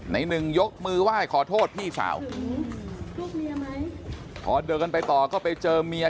ไหนหนึ่งยกมือไว้ขอโทษพี่สาวลูกเมียไหมพอเดินกันไปต่อก็ไปเจอเมีย